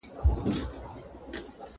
کله چي زه راغلم کار خلاص سوی و.